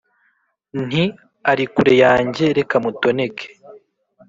nti " ari kure yanjye reka mutoneke ",